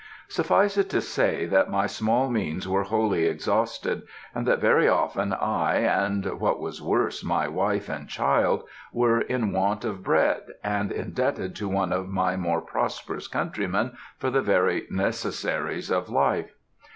Suffice it to say that my small means were wholly exhausted, and that very often I, and what was worse, my wife and child were in want of bread, and indebted to one of my more prosperous countrymen for the very necessaries of life.